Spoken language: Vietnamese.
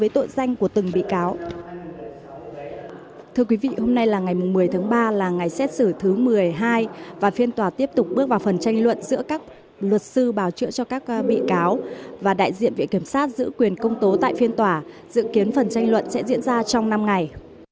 một mươi tháng ba là ngày xét xử thứ một mươi hai và phiên tòa tiếp tục bước vào phần tranh luận giữa các luật sư bảo trợ cho các bị cáo và đại diện vị kiểm sát giữ quyền công tố tại phiên tòa dự kiến phần tranh luận sẽ diễn ra trong năm ngày